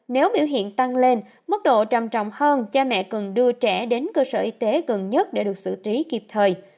nếu biểu hiện tăng lên mức độ trầm trọng hơn cha mẹ cần đưa trẻ đến cơ sở y tế gần nhất để được xử trí kịp thời